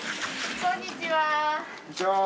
こんにちは。